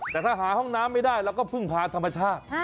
แต่ถ้าหาห้องน้ำไม่ได้เราก็พึ่งพาธรรมชาติ